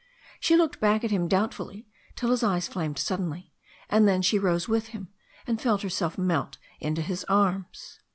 She looked back at him doubtfully till his eyes flamed suddenly, and then she rose with him and felt herself melt into his arms.